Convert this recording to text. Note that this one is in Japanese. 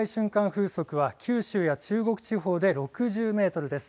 風速は九州や中国地方で６０メートルです。